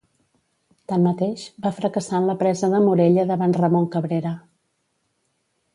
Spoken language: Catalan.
Tanmateix, va fracassar en la presa de Morella davant Ramon Cabrera.